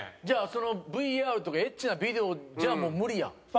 じゃあそのＶＲとかエッチなビデオじゃもう無理やん。